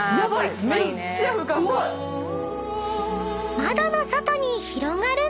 ［窓の外に広がるのは］